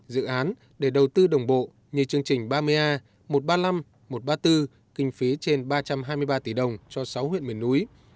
dự án để đầu tư đồng bộ như chương trình ba mươi a một trăm ba mươi năm một trăm ba mươi bốn kinh phí trên ba trăm hai mươi ba tỷ đồng cho sáu huyện miền núi